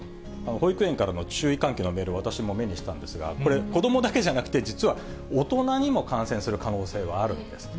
保育園からの注意喚起のメール、私も目にしたんですが、これ、子どもだけじゃなくて、実は大人にも感染する可能性があるんです。